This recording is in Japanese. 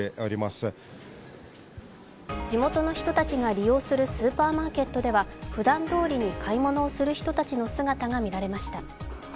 地元の人たちが利用するスーパーマーケットではふだんどおりに買い物をする人たちの姿がみられました。